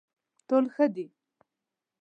ټول ښه دي.